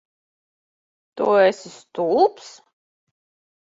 Tu esi stulbs?